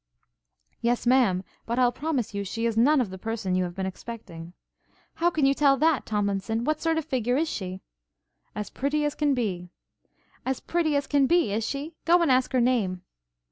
'Yes, Ma'am; but I'll promise you she is none of the person you have been expecting.' 'How can you tell that Tomlinson? What sort of figure is she?' 'As pretty as can be.' 'As pretty as can be, is she? Go and ask her name.'